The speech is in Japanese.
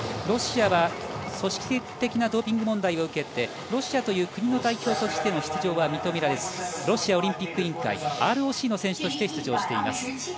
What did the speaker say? ロシアは組織的なドーピング問題を受けてロシアという国の代表としての出場は認められずロシアオリンピック委員会ＲＯＣの選手として出場しています。